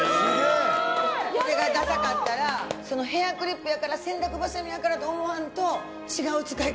これがダサかったらヘアクリップやから洗濯バサミやからと思わんと違う使い方。